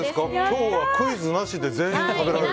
今日はクイズなしで全員食べられる。